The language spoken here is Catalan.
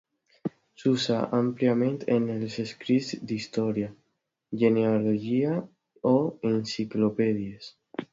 S'usa àmpliament en els escrits d'història, genealogia o enciclopèdies.